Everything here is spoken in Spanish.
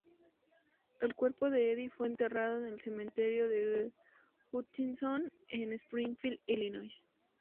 El cuerpo de Eddie fue enterrado en el cementerio de Hutchinson en Springfield, Illinois.